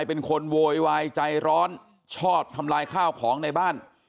เป็นคนโวยวายใจร้อนชอบทำลายข้าวของในบ้าน